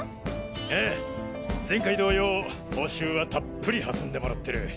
ああ前回同様報酬はたっぷり弾んでもらってる。